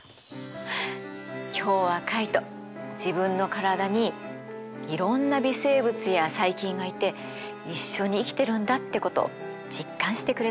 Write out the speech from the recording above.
今日はカイト自分の体にいろんな微生物や細菌がいて一緒に生きてるんだってことを実感してくれたみたいです。